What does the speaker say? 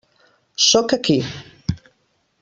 Sóc aquí.